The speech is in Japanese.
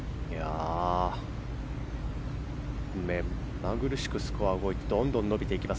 目まぐるしくスコアが動いてどんどん伸びてきます。